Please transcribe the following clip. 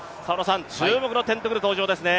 注目のテントグル登場ですね。